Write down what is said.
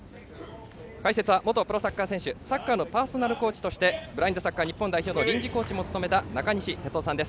解説は元プロサッカー選手サッカーのパーソナルコーチとしてブラインドサッカー日本代表の臨時コーチも務めた中西哲生さんです。